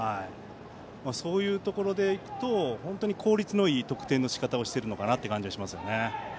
そういうところでいくと効率のいい得点のしかたをしているのかなという気がしますね。